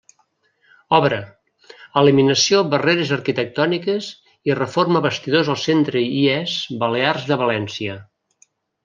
Obra: eliminació barreres arquitectòniques i reforma vestidors al centre IES Balears de València.